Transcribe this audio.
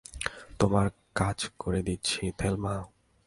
তোমার কাজ করে দিচ্ছে, থেলমা।